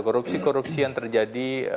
korupsi korupsi yang terjadi